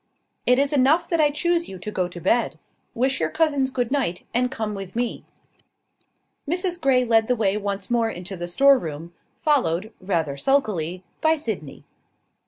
"It is enough that I choose you to go to bed. Wish your cousins good night, and come with me." Mrs Grey led the way once more into the store room, followed, rather sulkily, by Sydney.